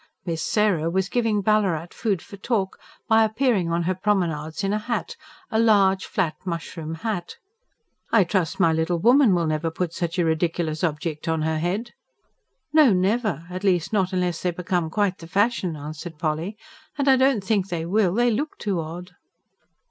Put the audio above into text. Miss Sarah was giving Ballarat food for talk, by appearing on her promenades in a hat: a large, flat, mushroom hat. "I trust my little woman will never put such a ridiculous object on her head!" "No, never ... at least, not unless they become quite the fashion," answered Polly. "And I don't think they will. They look too odd."